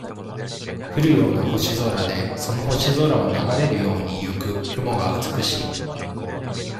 降るような星空で、その星空を流れるように行く雲が美しい。